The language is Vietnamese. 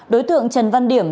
đối tượng trần văn điểm